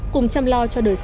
cùng chăm lo cho đời sống